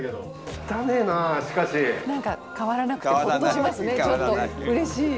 何か変わらなくてほっとしますねちょっとうれしい。